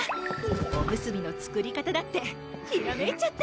おむすびの作り方だってひらめいちゃった！